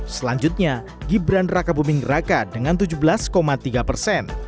selanjutnya gibran raka buming raka dengan tujuh belas tiga persen